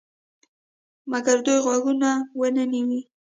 مګر دوی غوږ ونه نیوی.